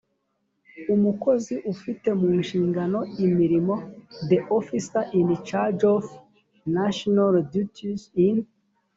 umukozi ufite mu nshingano imirimo the officer in charge of notarial duties in